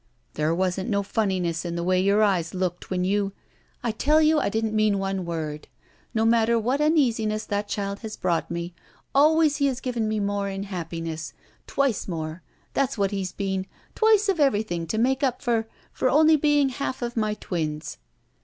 "There wasn't no funniness in the way your eyes looked when you —" "I tell you I didn't mean one word. No matter what uneasiness that child has brought me, always he has given me more in happiness. Twice more. That's what he's been. Twice of everjrthing to make up for — ^for only being half of my twins."